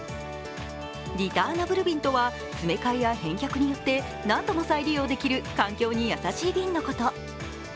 リターナブル瓶とは詰め替えや返却によって何度も再利用できる環境に優しい瓶のこと。